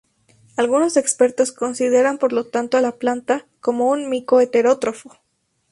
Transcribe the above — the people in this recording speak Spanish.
Algunos expertos consideran por lo tanto a la planta como un mico-heterótrofo.